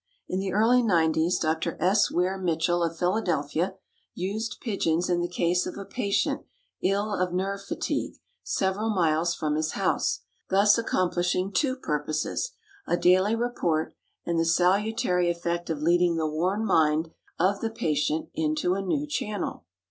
In the early '90s Dr. S. Weir Mitchell of Philadelphia used pigeons in the case of a patient ill of nerve fatigue, several miles from his home, thus accomplishing two purposes a daily report and the salutary effect of leading the worn mind of the patient into a new channel.